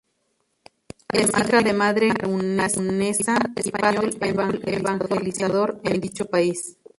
Es hija de madre camerunesa y padre español, evangelizador en dicho país.